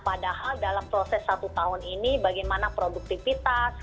padahal dalam proses satu tahun ini bagaimana produktivitas